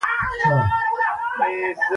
پوخ انسان صبر لري